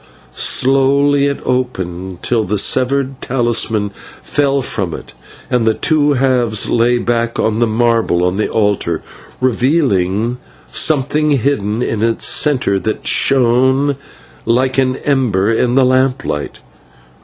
Slowly it opened, till the severed talisman fell from it, and its two halves lay back on the marble of the altar, revealing something hidden in its centre that shone like an ember in the lamplight.